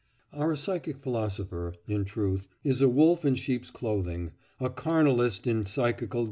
Our psychic philosopher, in truth, is a wolf in sheep's clothing—a carnalist in psychical disguise.